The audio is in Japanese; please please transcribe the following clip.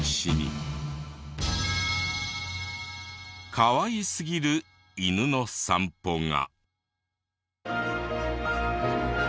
かわいすぎる犬の散歩が。